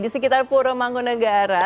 di sekitar purwomango negara